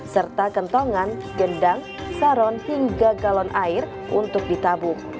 serta kentongan gendang saron hingga galon air untuk ditabung